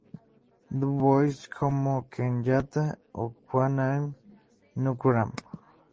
Du Bois, Jomo Kenyatta o Kwame Nkrumah.